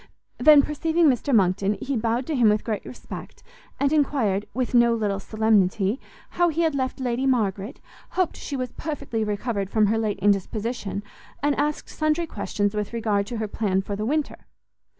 Then, perceiving Mr Monckton, he bowed to him with great respect, and enquired, with no little solemnity, how he had left Lady Margaret, hoped she was perfectly recovered from her late indisposition, and asked sundry questions with regard to her plan for the winter.